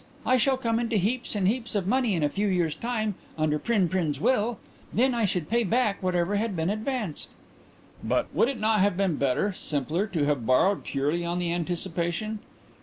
I shall come into heaps and heaps of money in a few years' time under Prin Prin's will. Then I should pay back whatever had been advanced." "But would it not have been better simpler to have borrowed purely on the anticipation?"